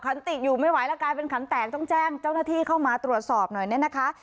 ขันติอยู่ไม่ไหวแล้วกลายเป็นขันแตกต้องแจ้งเจ้าหน้าที่เข้ามาตรวจสอบหน่อยเนี่ยนะคะ